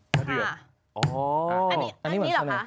ค่ะค่ะอ๋ออันนี้เหรอคะ